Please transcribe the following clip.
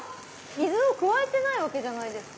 水を加えてないわけじゃないですか。